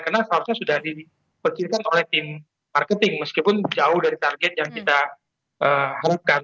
karena seharusnya sudah diperciptakan oleh tim marketing meskipun jauh dari target yang kita harapkan